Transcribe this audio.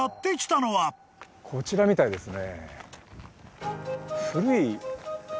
こちらみたいですね。